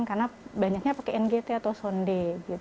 karena banyaknya pakai ngt atau sonde